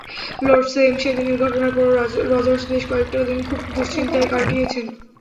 লর্ডসে সেদিনের ঘটনার পরও রজার্স বেশ কয়েকটা দিন খুব দুশ্চিন্তায় কাটিয়েছেন।